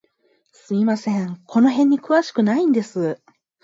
すみません、この辺に詳しくないんです。